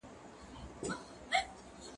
زه هره ورځ کتابونه وړم